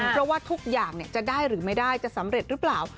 เพราะว่าทุกอย่างจะได้หรือไม่ได้จะสำเร็จหรือเปล่า